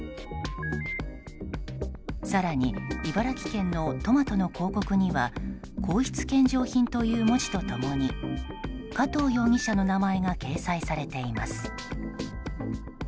更に、茨城県のトマトの広告には「皇室献上品」という文字と共に加藤容疑者の名前が掲載されています。